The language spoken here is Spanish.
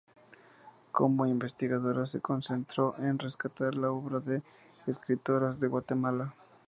Como investigadora se concentró en rescatar la obra de las escritoras de Guatemala.